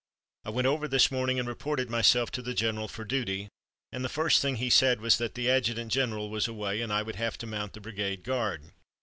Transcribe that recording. I went over this morning and reported myself to the general for duty, and the first thing he said was that the adjutant general was away and I would have to mount the brigade guard.